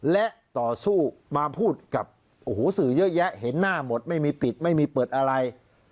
และต่อสู้มาพูดกับโอ้โหสื่อเยอะแยะเห็นหน้าหมดไม่มีปิดไม่มีเปิดอะไร